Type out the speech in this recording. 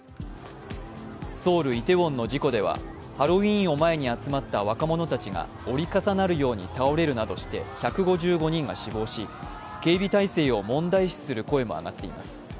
ソウル・イテウォンの事故では、ハロウィーンを前に集まった若者たちが折り重なるように倒れるなどして１５５人が死亡し警備態勢を問題視する声も上がっています。